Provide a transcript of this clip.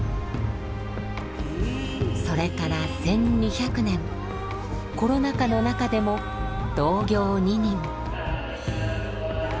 それから１，２００年コロナ禍の中でも「同行二人」。